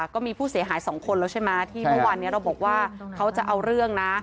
ก็มีผู้เสียหายสองคนแล้วใช่ไหมที่เมื่อวานนี้เราบอกว่าเขาจะเอาเรื่องนะ